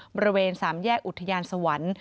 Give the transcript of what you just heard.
บริเวณ๓แยกอุทยานสวรรค์